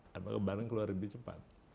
atau barang keluar lebih cepat